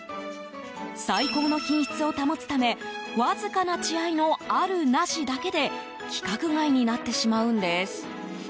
最高の品質を保つためわずかな血合いのあるなしだけで規格外になってしまうんです。